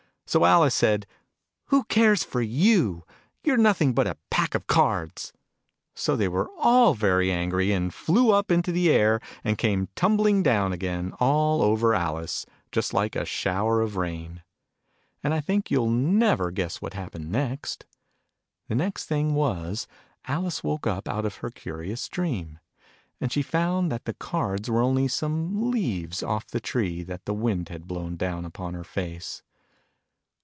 So Alice said " Who cares for you ? You're nothing but a pack of cards !" So they were all very angry, and flew up into the air, and came tumbling down again, all over Alice, just like a shower of rain. And I think you'll never guess what happened next. The next thing was, Alice woke up out of her curious dream. And she found that the cards were only some leaves off the tree, that the wind had blown down upon her face.